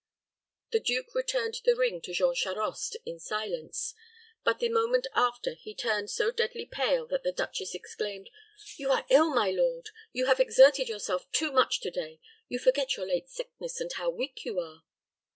The duke returned the ring to Jean Charost in silence; but the moment after he turned so deadly pale that the duchess exclaimed, "You are ill, my lord. You have exerted yourself too much to day. You forget your late sickness, and how weak you are."